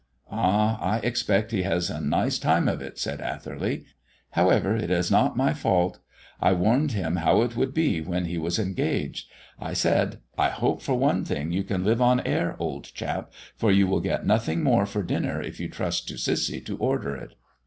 "Ah, I expect he has a nice time of it," said Atherley. "However, it is not my fault. I warned him how it would be when he was engaged. I said: 'I hope, for one thing, you can live on air, old chap for you will get nothing more for dinner if you trust to Cissy to order it.'"